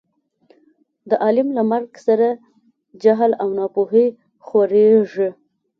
د عالم له مرګ سره جهل او نا پوهي خورېږي.